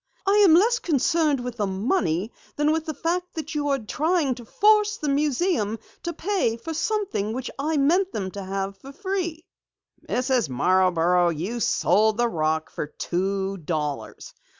I am less concerned with the money than with the fact that you are trying to force the museum to pay for something which I meant them to have free." "Mrs. Marborough, you sold the rock for two dollars.